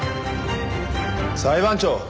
裁判長！